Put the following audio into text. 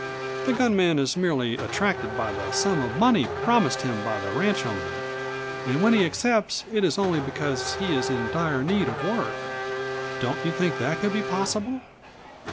The gun man is merely attracted by the sum of money promised him by the ranch owner, and when he accepts it is only because he is in dire need of work. Don't you think that could be possible?"